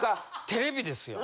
テレビですよ。